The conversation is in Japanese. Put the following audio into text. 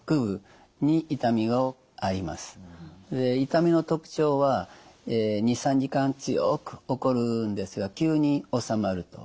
痛みの特徴は２３時間強く起こるんですが急におさまると。